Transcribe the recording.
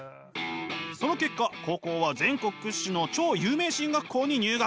その結果高校は全国屈指の超有名進学校に入学。